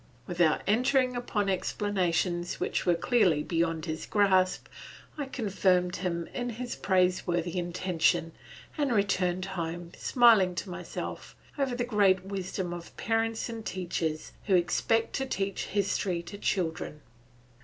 Without entering upon explanations which were clearly beyond his grasp, I confirmed him in his praiseworthy intention, and returned home smiling to myself over the great wisdom of parents and teachers who expect to teach history to children.